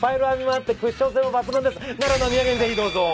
奈良のお土産にぜひどうぞ。